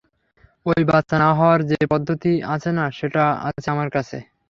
ঐ বাচ্চা না হওয়ার যে পদ্ধতি আছে না, সেটা আছে আমার কাছে।